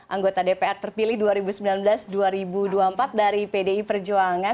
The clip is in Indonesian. anggota dpr terpilih dua ribu sembilan belas dua ribu dua puluh empat dari pdi perjuangan